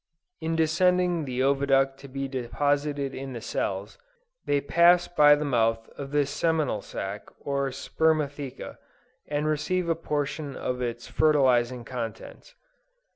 In descending the oviduct to be deposited in the cells, they pass by the mouth of this seminal sac or spermatheca, and receive a portion of its fertilizing contents.